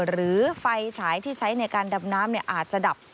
หรือไฟฉายที่ใช้ในการดำน้ำอาจจะดับ